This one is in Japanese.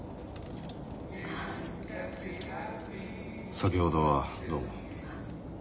先ほどはどうも。